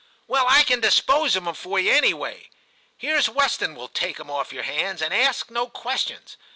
'Well, I can dispose of em for you any way; here's Weston will take 'em off your hands and ask no questions.'